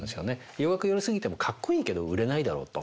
洋楽寄り過ぎてもかっこいいけど売れないだろうと。